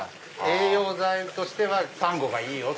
「栄養剤としてはサンゴがいいよ